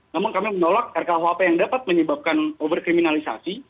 namun kami menolak rkuhp yang dapat menyebabkan overkriminalisasi